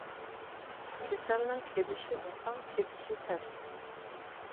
كېسەلنىڭ كېلىشى ئاسان، كېتىشى تەس.